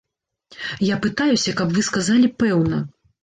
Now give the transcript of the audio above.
Я пытаюся, каб вы сказалі пэўна!